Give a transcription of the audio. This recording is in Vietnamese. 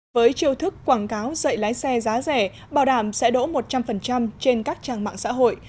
với chiêu thức quảng cáo dạy lái xe giá rẻ bảo đảm sẽ đỗ một trăm linh trên các trang mạng xã hội